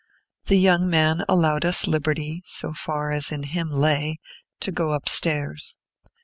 The young man allowed us liberty (so far as in him lay) to go up stairs.